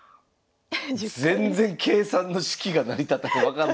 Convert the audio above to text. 全然計算の式が成り立たん。